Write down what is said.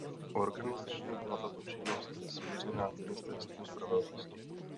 Organizačně byla tato činnost svěřena Ministerstvu spravedlnosti.